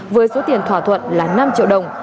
với số tiền thỏa thuận là năm triệu đồng